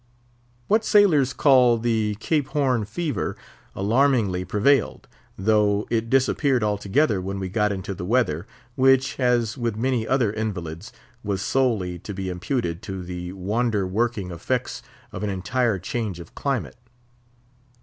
What sailors call the "Cape Horn fever," alarmingly prevailed; though it disappeared altogether when we got into the weather, which, as with many other invalids, was solely to be imputed to the wonder working effects of an entire change of climate.